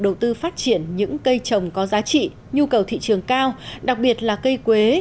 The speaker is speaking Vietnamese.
đầu tư phát triển những cây trồng có giá trị nhu cầu thị trường cao đặc biệt là cây quế